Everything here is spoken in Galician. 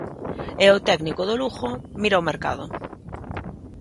E o técnico do Lugo mira o mercado.